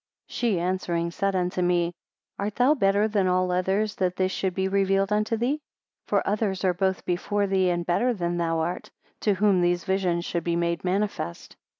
48 She answering, said unto me, Art thou better than all others that this should be revealed unto thee? For others are both before thee and better than thou art, to whom these visions should be made manifest.